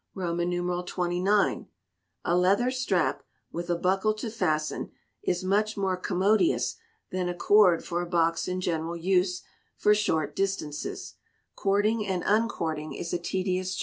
xxix. A leather strap, with a buckle to fasten, is much more commodious than a cord for a box in general use for short distances; cording and uncording is a tedious job.